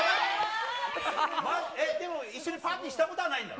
でも、一緒にパーティーしたことはないんだろ？